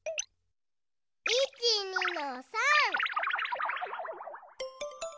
いちにのさん！